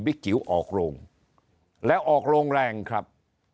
จิ๋วออกโรงและออกโรงแรงครับ